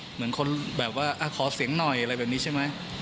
เหมือนคนแบบว่าขอเสียงหน่อยอะไรแบบนี้ใช่ไหม